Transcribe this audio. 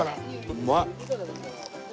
うまい！